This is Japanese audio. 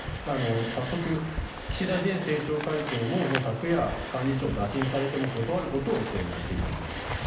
早速、岸田前政調会長ももう昨夜、幹事長を打診されても断ることを表明しているんです。